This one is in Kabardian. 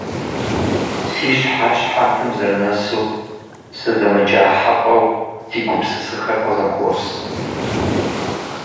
Си щхьэр щхьэнтэм зэрынэсу, сызэмыджа хьэщӏэу си гупсысэхэр къызэхуос.